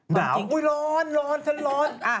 บอกอุ๊ยร้อนร้อนฉันร้อน